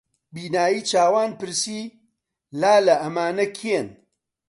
بینایی چاوان پرسی: لالە ئەمانە کێن؟